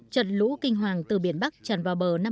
trận lũ kinh hoàng từ biển bắc tràn vào bắc